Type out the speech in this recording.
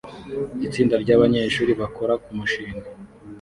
Itsinda ryabanyeshuri bakora kumushinga